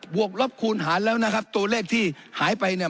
วกลบคูณหารแล้วนะครับตัวเลขที่หายไปเนี่ย